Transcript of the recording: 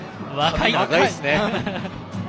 若いですね！